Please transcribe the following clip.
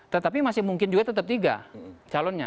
tetapi masih mungkin juga tetap tiga calonnya